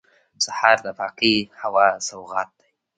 سهار د پاکې هوا سوغات دی.